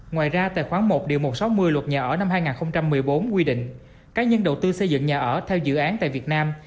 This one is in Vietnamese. ngoài ra tài khoản một một trăm sáu mươi luật nhà ở năm hai nghìn một mươi bốn quy định cá nhân đầu tư xây dựng nhà ở theo dự án tại việt nam